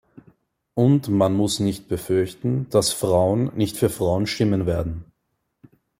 Und man muss nicht befürchten, dass Frauen nicht für Frauen stimmen werden.